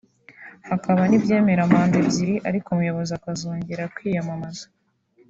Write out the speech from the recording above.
hakaba n’ibyemera manda ebyiri ariko umuyobozi akazongera kwiyamamaza